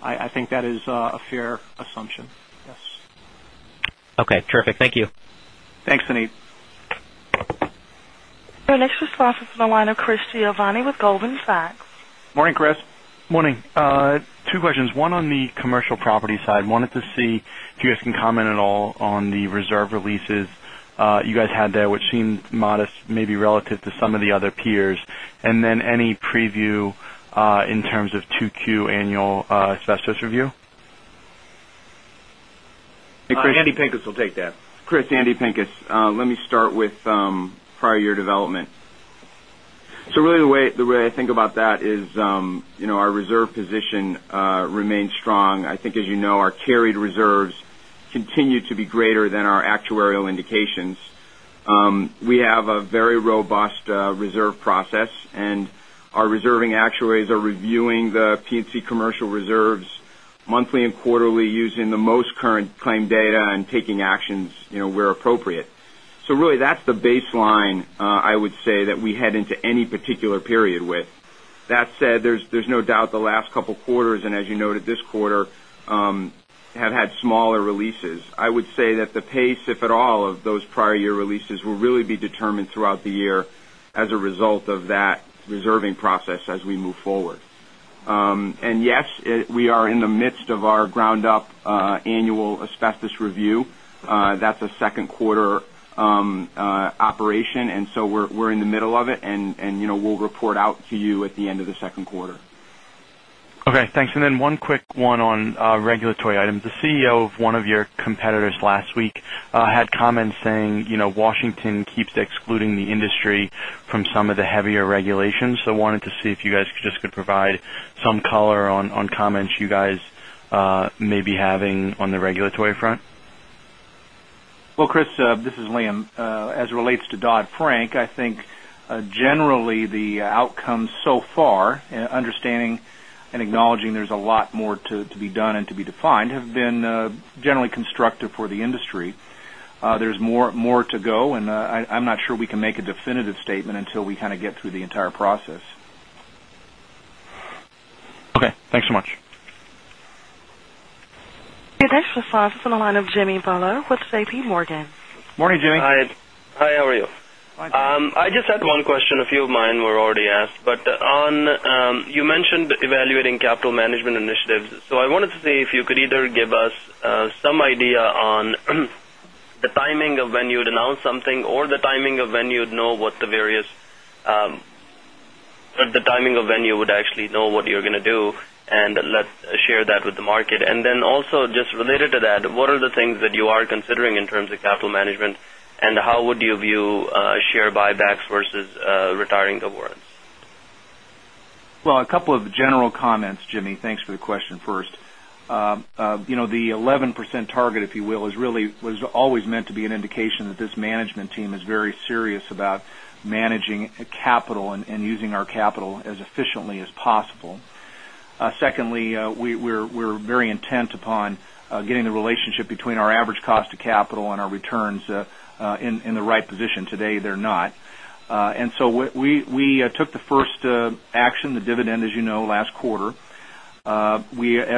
I think that is a fair assumption. Yes. Okay, terrific. Thank you. Thanks, Suneet. Your next response is from the line of Chris Giovanni with Goldman Sachs. Morning, Chris. Morning. Two questions. One on the commercial property side. Wanted to see if you guys can comment at all on the reserve releases you guys had there, which seemed modest, maybe relative to some of the other peers. Any preview in terms of 2Q annual asbestos review? Juan Andrade will take that. Chris, Juan Andrade. Let me start with prior year development. The way I think about that is our reserve position remains strong. I think as you know, our carried reserves continue to be greater than our actuarial indications. We have a very robust reserve process, and our reserving actuaries are reviewing the P&C commercial reserves monthly and quarterly using the most current claim data and taking actions where appropriate. That's the baseline, I would say, that we head into any particular period with. That said, there's no doubt the last couple of quarters, and as you noted this quarter, have had smaller releases. I would say that the pace, if at all, of those prior year releases will really be determined throughout the year as a result of that reserving process as we move forward. Yes, we are in the midst of our ground-up annual asbestos review. That's a second quarter operation, we're in the middle of it, we'll report out to you at the end of the second quarter. Okay, thanks. One quick one on regulatory items. The CEO of one of your competitors last week had comments saying Washington keeps excluding the industry from some of the heavier regulations. I wanted to see if you guys just could provide some color on comments you guys may be having on the regulatory front. Well, Chris, this is Liam. As it relates to Dodd-Frank, I think generally the outcomes so far, understanding and acknowledging there's a lot more to be done and to be defined, have been generally constructive for the industry. There's more to go, I'm not sure we can make a definitive statement until we kind of get through the entire process. Okay. Thanks so much. Your next response is on the line of Jimmy Bhullar with J.P. Morgan. Morning, Jimmy. Hi, how are you? Fine. I just had one question. A few of mine were already asked. You mentioned evaluating capital management initiatives. I wanted to see if you could either give us some idea on the timing of when you'd announce something, or the timing of when you would actually know what you're going to do and share that with the market. Also just related to that, what are the things that you are considering in terms of capital management, and how would you view share buybacks versus retiring the warrants? Well, a couple of general comments, Jimmy. Thanks for the question first. The 11% target, if you will, was always meant to be an indication that this management team is very serious about managing capital and using our capital as efficiently as possible. Secondly, we're very intent upon getting the relationship between our average cost of capital and our returns in the right position. Today they're not. So we took the first action, the dividend, as you know, last quarter. As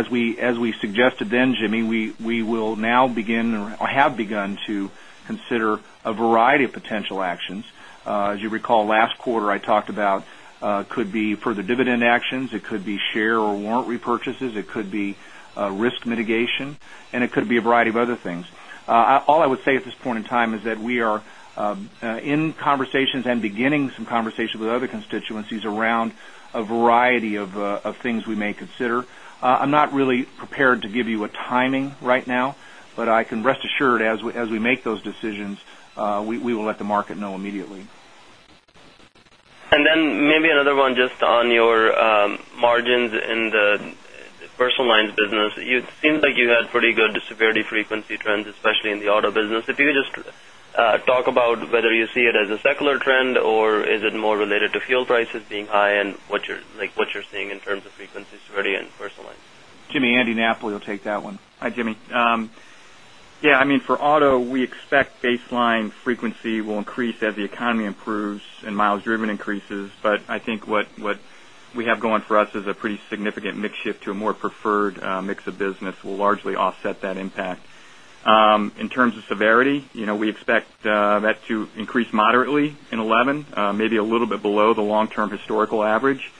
we suggested then, Jimmy, we will now begin or have begun to consider a variety of potential actions. As you recall, last quarter I talked about could be further dividend actions, it could be share or warrant repurchases, it could be risk mitigation, and it could be a variety of other things. All I would say at this point in time is that we are in conversations and beginning some conversations with other constituencies around a variety of things we may consider. I'm not really prepared to give you a timing right now, but rest assured, as we make those decisions, we will let the market know immediately. Maybe another one just on your margins in the personal lines business. It seems like you had pretty good severity frequency trends, especially in the auto business. If you could just talk about whether you see it as a secular trend, or is it more related to fuel prices being high, and what you're seeing in terms of frequency, severity, and personal lines? Jimmy, Andy Napoli will take that one. Hi, Jimmy. Yeah, for auto, we expect baseline frequency will increase as the economy improves and miles driven increases. I think what we have going for us is a pretty significant mix shift to a more preferred mix of business will largely offset that impact. In terms of severity, we expect that to increase moderately in 2011, maybe a little bit below the long-term historical average.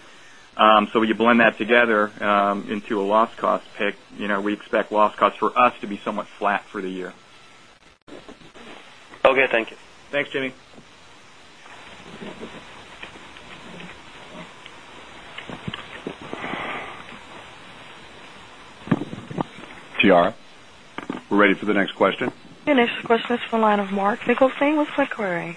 When you blend that together into a loss cost pick, we expect loss costs for us to be somewhat flat for the year. Okay, thank you. Thanks, Jimmy. Tiara, we're ready for the next question. The next question is from the line of Mark Nicholson with Sequoyah.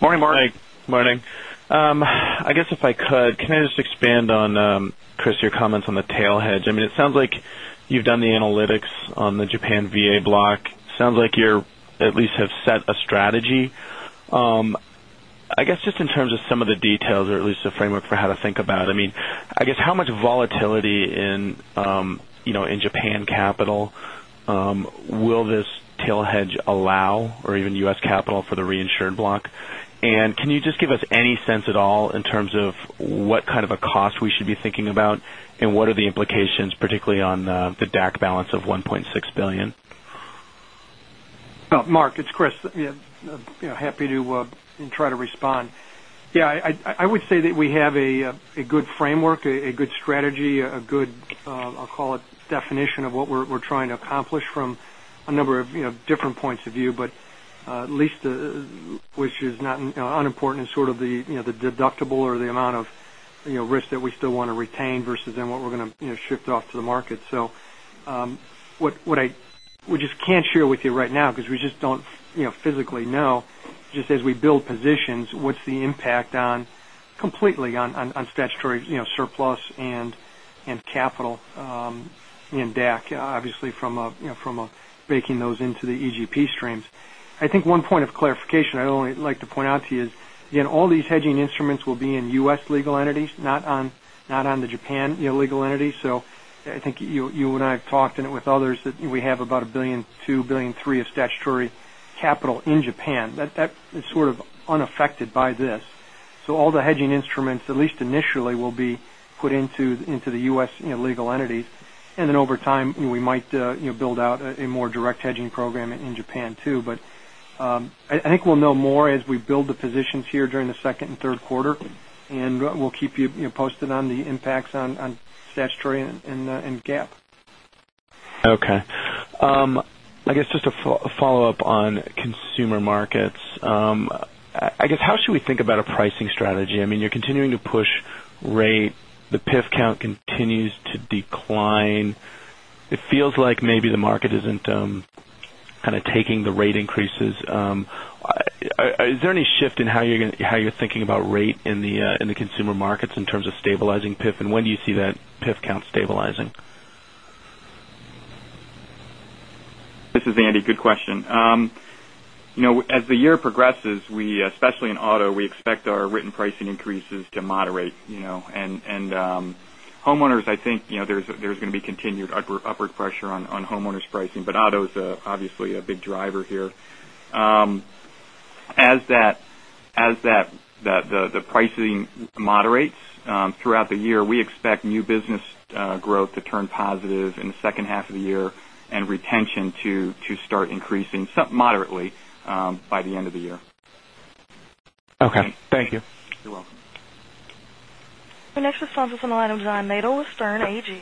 Morning, Mark. Morning. I guess if I could, can I just expand on, Chris, your comments on the tail hedge? It sounds like you've done the analytics on the Japan VA block. Sounds like you at least have set a strategy. I guess just in terms of some of the details or at least a framework for how to think about it. I guess, how much volatility in Japan capital will this tail hedge allow, or even U.S. capital for the reinsured block? Can you just give us any sense at all in terms of what kind of a cost we should be thinking about, and what are the implications, particularly on the DAC balance of $1.6 billion? Mark, it's Chris. Happy to try to respond. Yeah, I would say that we have a good framework, a good strategy, a good, I'll call it, definition of what we're trying to accomplish from a number of different points of view. At least, which is not unimportant in sort of the deductible or the amount of risk that we still want to retain versus then what we're going to shift off to the market. We just can't share with you right now because we just don't physically know, just as we build positions, what's the impact completely on statutory surplus and capital in DAC, obviously from baking those into the EGP streams. I think one point of clarification I'd only like to point out to you is all these hedging instruments will be in U.S. legal entities, not on the Japan legal entity. I think you and I have talked, and with others, that we have about $1 billion-$1.3 billion of statutory capital in Japan. That is sort of unaffected by this. All the hedging instruments, at least initially, will be put into the U.S. legal entities. Then over time, we might build out a more direct hedging program in Japan, too. I think we'll know more as we build the positions here during the second and third quarter, and we'll keep you posted on the impacts on statutory and GAAP. Okay. I guess just a follow-up on Consumer Markets. I guess how should we think about a pricing strategy? You're continuing to push rate. The PIF count continues to decline. It feels like maybe the market isn't kind of taking the rate increases. Is there any shift in how you're thinking about rate in the Consumer Markets in terms of stabilizing PIF, and when do you see that PIF count stabilizing? This is Andy. Good question. As the year progresses, especially in auto, we expect our written pricing increases to moderate. Homeowners, I think there's going to be continued upward pressure on homeowners pricing, but auto is obviously a big driver here. As the pricing moderates throughout the year, we expect new business growth to turn positive in the second half of the year and retention to start increasing moderately by the end of the year. Okay. Thank you. You're welcome. The next response is on the line of John Nadel with Sterne Agee.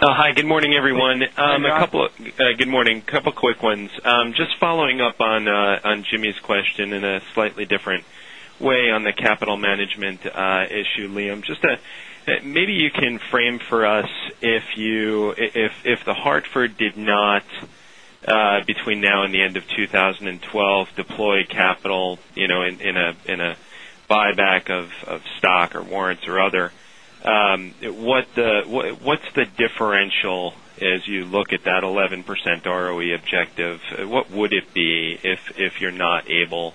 Hi, good morning, everyone. Hey, John. Good morning. A couple of quick ones. Just following up on Jimmy's question in a slightly different way on the capital management issue. Liam, just maybe you can frame for us if The Hartford did not between now and the end of 2012 deploy capital in a buyback of stock or warrants or other, what's the differential as you look at that 11% ROE objective? What would it be if you're not able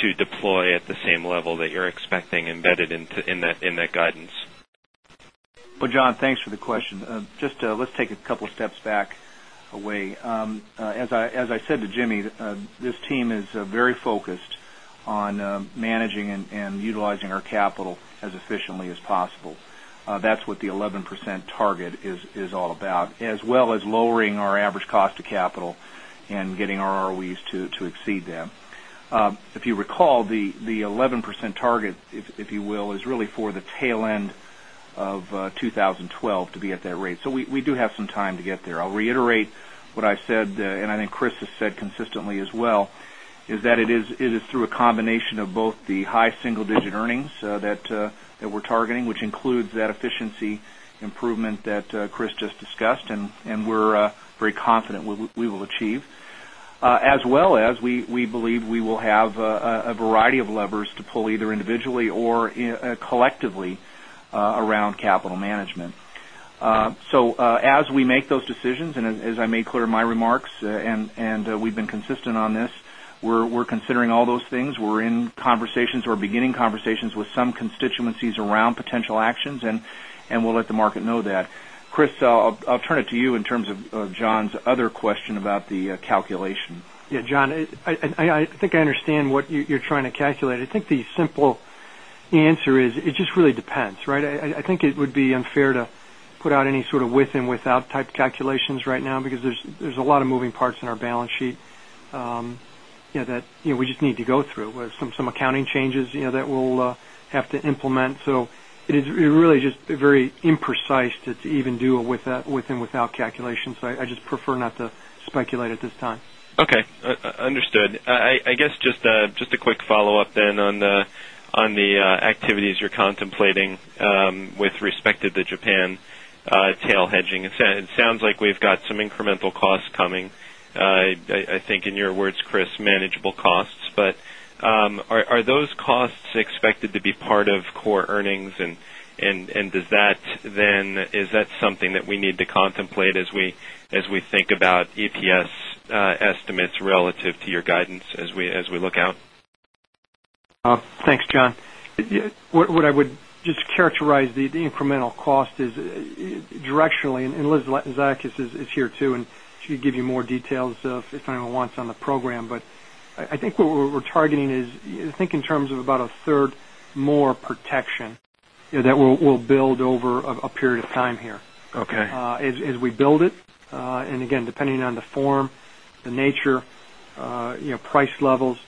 to deploy at the same level that you're expecting embedded in that guidance? Well, John, thanks for the question. Just let's take a couple steps back away. As I said to Jimmy, this team is very focused on managing and utilizing our capital as efficiently as possible. That's what the 11% target is all about, as well as lowering our average cost of capital and getting our ROEs to exceed them. If you recall, the 11% target, if you will, is really for the tail end of 2012 to be at that rate. We do have some time to get there. I'll reiterate what I've said, and I think Chris has said consistently as well, is that it is through a combination of both the high single-digit earnings that we're targeting, which includes that efficiency improvement that Chris just discussed, and we're very confident we will achieve. We believe we will have a variety of levers to pull, either individually or collectively, around capital management. As we make those decisions, and as I made clear in my remarks, and we've been consistent on this, we're considering all those things. We're in conversations. We're beginning conversations with some constituencies around potential actions, and we'll let the market know that. Chris, I'll turn it to you in terms of John's other question about the calculation. John, I think I understand what you're trying to calculate. I think the simple answer is, it just really depends, right? I think it would be unfair to put out any sort of with and without type calculations right now, because there's a lot of moving parts in our balance sheet that we just need to go through. Some accounting changes that we'll have to implement. It is really just very imprecise to even do a with and without calculation. I just prefer not to speculate at this time. Okay. Understood. I guess just a quick follow-up on the activities you're contemplating with respect to the Japan tail hedging. It sounds like we've got some incremental costs coming. I think in your words, Chris, manageable costs. Are those costs expected to be part of core earnings and does that then, is that something that we need to contemplate as we think about EPS estimates relative to your guidance as we look out? Thanks, John. What I would just characterize the incremental cost is directionally, Liz Zlatkis is here, too, and she can give you more details if anyone wants on the program. I think what we're targeting is, think in terms of about a third more protection that we'll build over a period of time here. Okay. As we build it, again, depending on the form, the nature, price levels,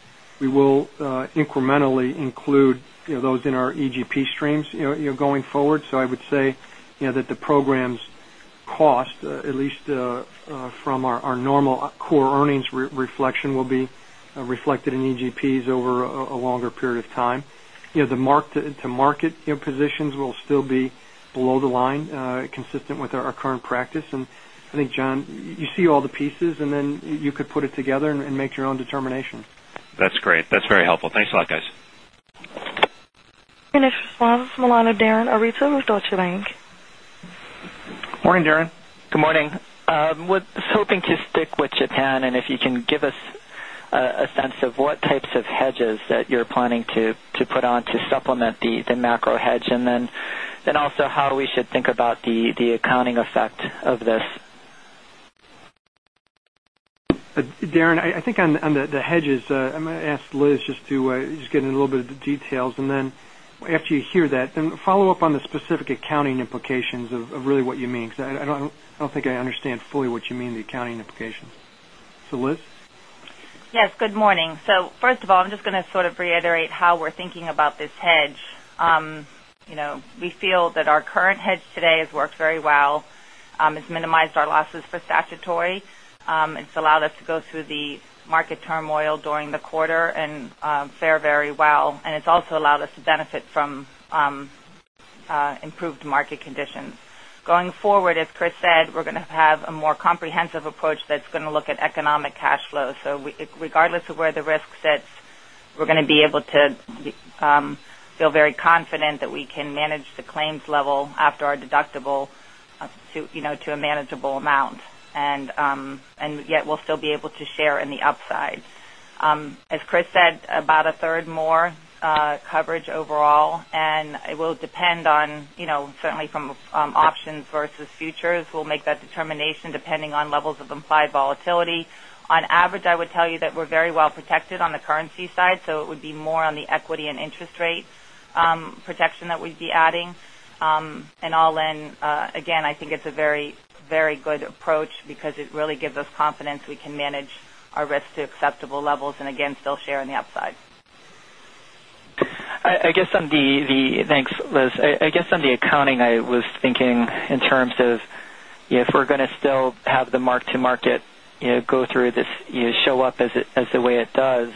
we will incrementally include those in our EGP streams going forward. I would say that the program's cost, at least from our normal core earnings reflection, will be reflected in EGPs over a longer period of time. The mark-to-market positions will still be below the line, consistent with our current practice. I think, John, you see all the pieces, then you could put it together and make your own determination. That's great. That's very helpful. Thanks a lot, guys. Next one, Milana Daren, analyst with Deutsche Bank. Morning, Daren. Good morning. Was hoping to stick with Japan and if you can give us a sense of what types of hedges that you're planning to put on to supplement the macro hedge, then also how we should think about the accounting effect of this. Daren, I think on the hedges, I'm going to ask Liz just to get into a little bit of the details. Then after you hear that, then follow up on the specific accounting implications of really what you mean, because I don't think I understand fully what you mean, the accounting implications. Liz? Yes, good morning. First of all, I'm just going to sort of reiterate how we're thinking about this hedge. We feel that our current hedge today has worked very well. It's minimized our losses for statutory. It's allowed us to go through the market turmoil during the quarter and fare very well. It's also allowed us to benefit from improved market conditions. Going forward, as Chris said, we're going to have a more comprehensive approach that's going to look at economic cash flow. Regardless of where the risk sits, we're going to be able to feel very confident that we can manage the claims level after our deductible to a manageable amount. Yet we'll still be able to share in the upside. As Chris said, about a third more coverage overall, and it will depend on certainly from options versus futures. We'll make that determination depending on levels of implied volatility. On average, I would tell you that we're very well protected on the currency side, so it would be more on the equity and interest rate protection that we'd be adding. All in, again, I think it's a very good approach because it really gives us confidence we can manage our risk to acceptable levels and again still share in the upside. Thanks, Liz. I guess on the accounting, I was thinking in terms of if we're going to still have the mark-to-market go through this, show up as the way it does,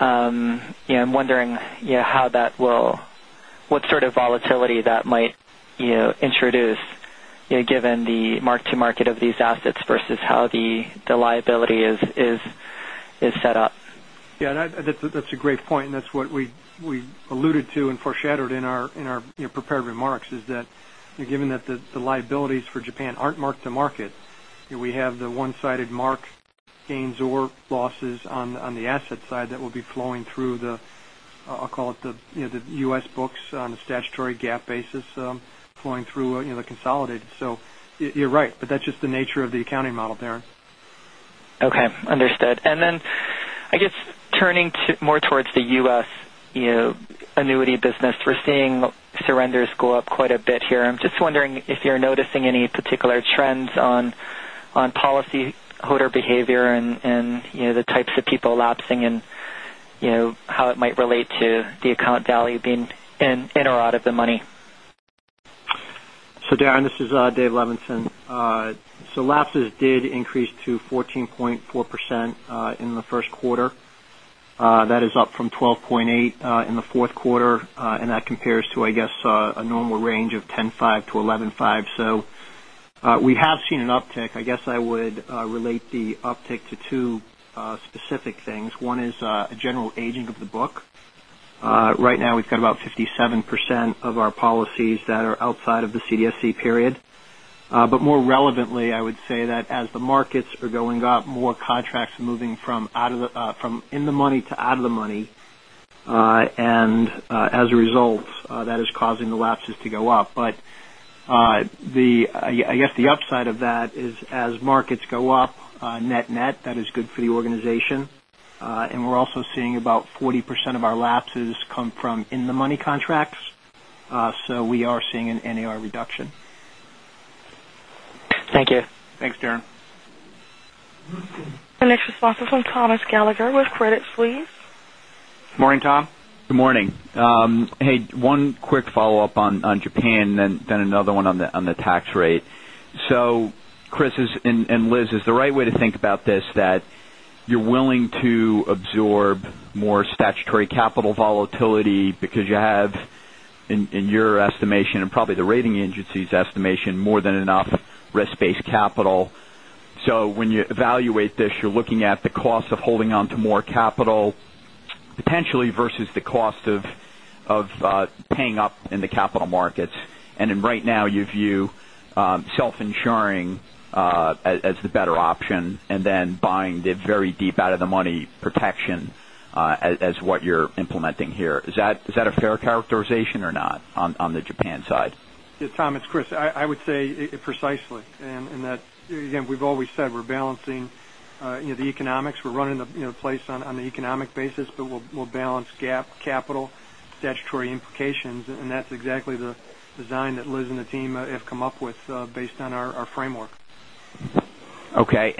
I'm wondering what sort of volatility that might introduce, given the mark-to-market of these assets versus how the liability is set up. That's a great point, and that's what we alluded to and foreshadowed in our prepared remarks is that given that the liabilities for Japan are not mark-to-market. We have the one-sided mark gains or losses on the asset side that will be flowing through the, I'll call it, the U.S. books on a statutory GAAP basis, flowing through the consolidated. You're right. That's just the nature of the accounting model, Daren. Okay. Understood. Then, I guess turning more towards the U.S. annuity business, we're seeing surrenders go up quite a bit here. I'm just wondering if you're noticing any particular trends on policyholder behavior and the types of people lapsing and how it might relate to the account value being in or out of the money. Daren, this is David Levenson. Lapses did increase to 14.4% in the first quarter. That is up from 12.8% in the fourth quarter, and that compares to, I guess, a normal range of 10.5%-11.5%. We have seen an uptick. I guess I would relate the uptick to two specific things. One is a general aging of the book. Right now we've got about 57% of our policies that are outside of the CDSC period. More relevantly, I would say that as the markets are going up, more contracts are moving from in the money to out of the money. As a result, that is causing the lapses to go up. I guess the upside of that is as markets go up, net net, that is good for the organization. We're also seeing about 40% of our lapses come from in the money contracts. We are seeing an NAR reduction. Thank you. Thanks, Daren. The next response is from Thomas Gallagher with Credit Suisse. Morning, Tom. Good morning. Hey, one quick follow-up on Japan, another one on the tax rate. Chris and Liz, is the right way to think about this that you're willing to absorb more statutory capital volatility because you have, in your estimation and probably the rating agency's estimation, more than enough risk-based capital. When you evaluate this, you're looking at the cost of holding onto more capital potentially versus the cost of paying up in the capital markets. Right now you view self-insuring as the better option, buying the very deep out of the money protection as what you're implementing here. Is that a fair characterization or not on the Japan side? Yes, Tom, it's Chris. I would say precisely, that, again, we've always said we're balancing the economics. We're running the place on the economic basis, we'll balance GAAP capital statutory implications, that's exactly the design that Liz and the team have come up with based on our framework. Okay.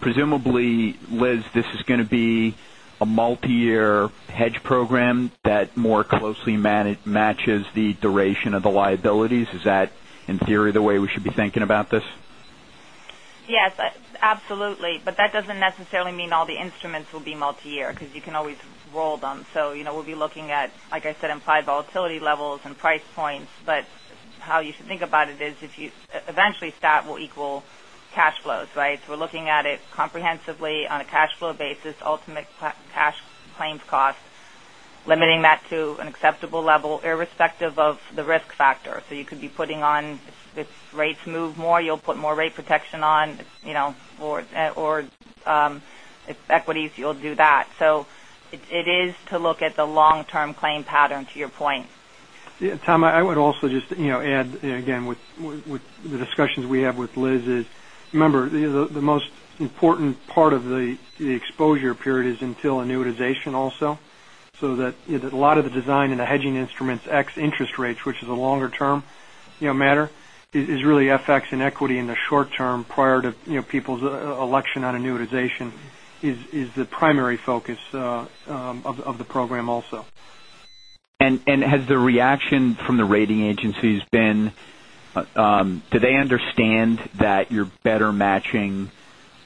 Presumably, Liz, this is going to be a multi-year hedge program that more closely matches the duration of the liabilities. Is that, in theory, the way we should be thinking about this? Yes, absolutely. That doesn't necessarily mean all the instruments will be multi-year because you can always roll them. We'll be looking at, like I said, implied volatility levels and price points. How you should think about it is if you eventually stat will equal cash flows, right? We're looking at it comprehensively on a cash flow basis, ultimate cash claims cost, limiting that to an acceptable level, irrespective of the risk factor. You could be putting on, if rates move more, you'll put more rate protection on, or if equities, you'll do that. It is to look at the long-term claim pattern to your point. Yeah. Tom, I would also just add again with the discussions we have with Liz is remember, the most important part of the exposure period is until annuitization also. That a lot of the design in the hedging instruments ex interest rates, which is a longer term matter, is really FX and equity in the short term prior to people's election on annuitization is the primary focus of the program also. Has the reaction from the rating agencies been, do they understand that you're better matching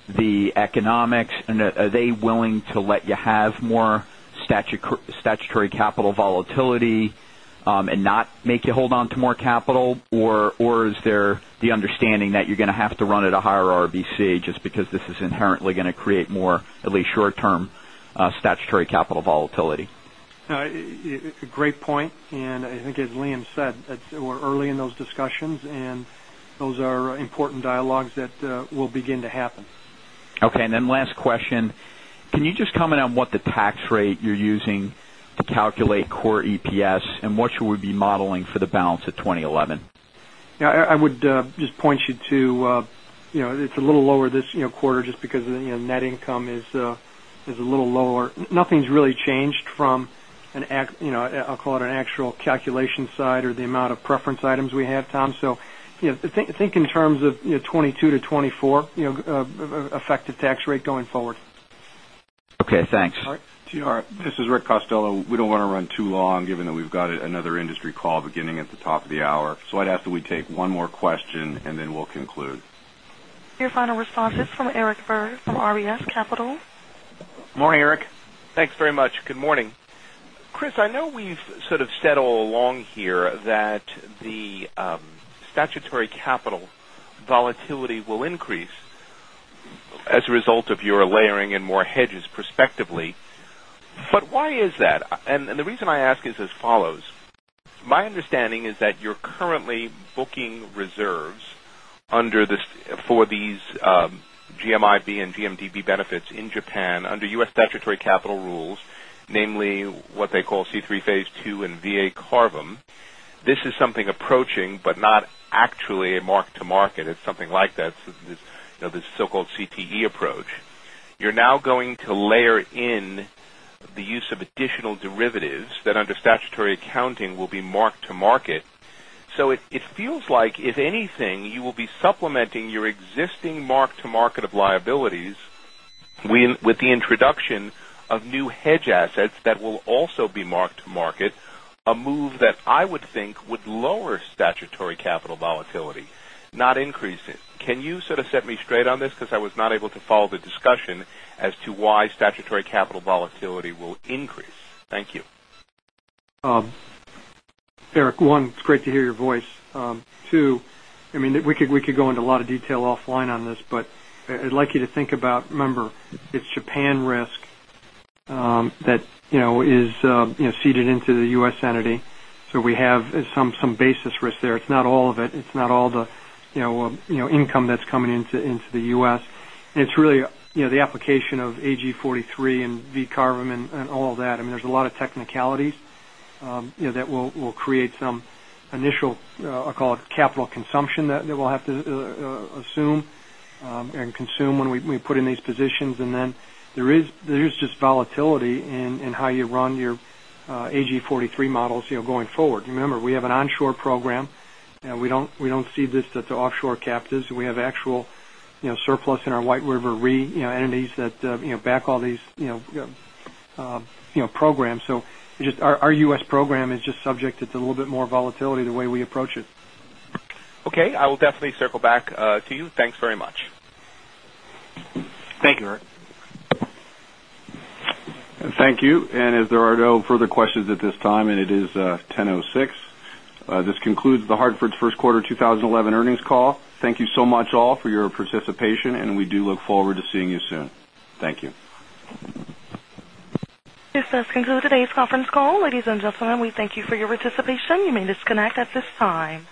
the economics and are they willing to let you have more statutory capital volatility and not make you hold on to more capital? Is there the understanding that you're going to have to run at a higher RBC just because this is inherently going to create more, at least short term, statutory capital volatility? I think as Liam said, we're early in those discussions, those are important dialogues that will begin to happen. Okay. Last question. Can you just comment on what the tax rate you're using to calculate core EPS and what should we be modeling for the balance of 2011? Yeah, I would just point you to, it's a little lower this quarter just because net income is a little lower. Nothing's really changed from an actual calculation side or the amount of preference items we have, Tom. Think in terms of 22%-24% effective tax rate going forward. Okay, thanks. All right. This is Rick Costello. We don't want to run too long given that we've got another industry call beginning at the top of the hour. I'd ask that we take one more question, and then we'll conclude. Your final response is from Eric Berg from RFS Capital. Morning, Eric. Thanks very much. Good morning. Chris, I know we've sort of said all along here that the statutory capital volatility will increase. As a result of your layering and more hedges prospectively. Why is that? The reason I ask is as follows. My understanding is that you're currently booking reserves for these GMIB and GMDB benefits in Japan under U.S. statutory capital rules, namely what they call C3 Phase II and VA CARVM. This is something approaching, but not actually a mark-to-market. It's something like that, this so-called CTE approach. You're now going to layer in the use of additional derivatives that, under statutory accounting, will be mark-to-market. It feels like, if anything, you will be supplementing your existing mark-to-market of liabilities with the introduction of new hedge assets that will also be mark-to-market, a move that I would think would lower statutory capital volatility, not increase it. Can you sort of set me straight on this? I was not able to follow the discussion as to why statutory capital volatility will increase. Thank you. Eric, one, it's great to hear your voice. We could go into a lot of detail offline on this, but I'd like you to think about, remember, it's Japan risk that is seeded into the U.S. entity. We have some basis risk there. It's not all of it. It's not all the income that's coming into the U.S. It's really the application of AG 43 and VA CARVM and all that. There's a lot of technicalities that will create some initial, I'll call it, capital consumption that we'll have to assume and consume when we put in these positions. There is just volatility in how you run your AG 43 models going forward. Remember, we have an onshore program, and we don't cede this to offshore captives. We have actual surplus in our White River Re entities that back all these programs. Our U.S. program is just subject. It's a little bit more volatility the way we approach it. Okay. I will definitely circle back to you. Thanks very much. Thank you, Eric. Thank you. As there are no further questions at this time, and it is 10:06 A.M., this concludes The Hartford's first quarter 2011 earnings call. Thank you so much, all, for your participation, and we do look forward to seeing you soon. Thank you. This does conclude today's conference call. Ladies and gentlemen, we thank you for your participation. You may disconnect at this time.